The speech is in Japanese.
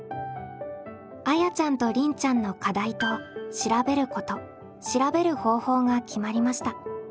あやちゃんとりんちゃんの課題と「調べること」「調べる方法」が決まりました。